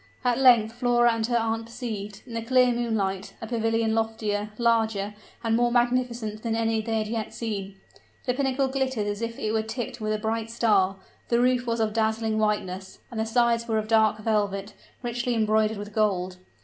At length Flora and her aunt perceived, in the clear moonlight, a pavilion loftier, larger, and more magnificent than any they had yet seen. The pinnacle glittered as if it were tipped with a bright star; the roof was of dazzling whiteness; and the sides were of dark velvet, richly embroidered with gold.